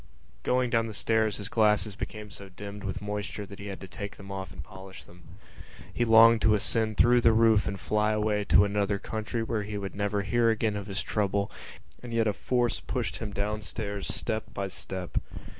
_ Going down the stairs his glasses became so dimmed with moisture that he had to take them off and polish them. He longed to ascend through the roof and fly away to another country where he would never hear again of his trouble, and yet a force pushed him downstairs step by step.